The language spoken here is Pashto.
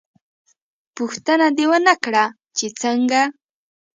_ پوښتنه دې ونه کړه چې څنګه؟